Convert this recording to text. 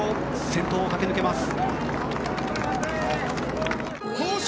先頭を駆け抜けます。